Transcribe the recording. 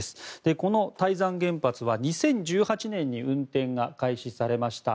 この台山原発は、２０１８年に運転が開始されました。